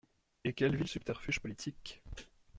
Et quels vils subterfuges politiques!